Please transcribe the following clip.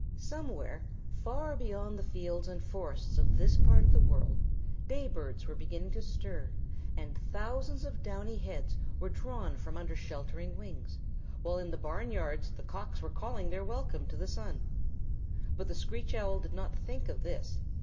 Somewhere, far beyond the fields and forests of this part of the world, day birds were beginning to stir, and thousands of downy heads were drawn from under sheltering wings, while in the barnyards the Cocks were calling their welcome to the sun. But the Screech Owl did not think of this.